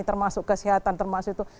termasuk kesehatan termasuk itu